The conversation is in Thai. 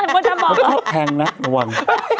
ว่าจะบอกพะฮะเข้าแพงนะระวัง